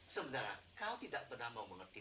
sebenarnya kau tidak pernah mau mengerti